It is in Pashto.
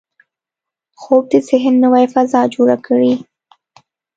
خوب د ذهن نوې فضا جوړه کړي